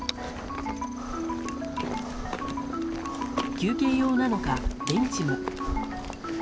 休憩用なのか、ベンチも。